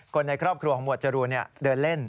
คนในครอบครัวของหมวดจรูนเดินเล่น